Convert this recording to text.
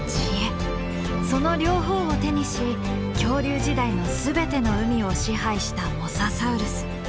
その両方を手にし恐竜時代の全ての海を支配したモササウルス。